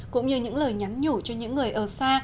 cũng như những lời nhắn nhủ cho những người ở xa